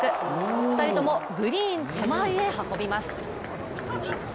２人ともグリーン手前へ運びます。